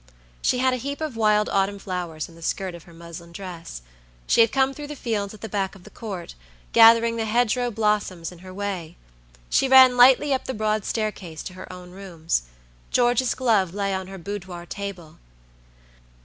She had a heap of wild autumn flowers in the skirt of her muslin dress. She had come through the fields at the back of the Court, gathering the hedge row blossoms in her way. She ran lightly up the broad staircase to her own rooms. George's glove lay on her boudoir table.